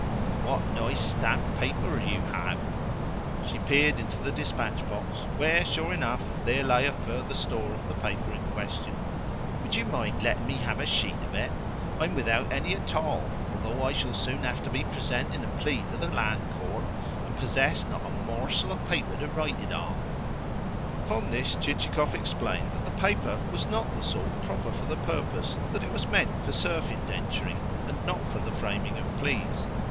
And what nice stamped paper you have!" (she had peered into the dispatch box, where, sure enough, there lay a further store of the paper in question). "Would you mind letting me have a sheet of it? I am without any at all, although I shall soon have to be presenting a plea to the land court, and possess not a morsel of paper to write it on." Upon this Chichikov explained that the paper was not the sort proper for the purpose that it was meant for serf indenturing, and not for the framing of pleas.